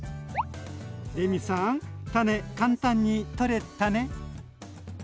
レミさん種簡単に取れタネ。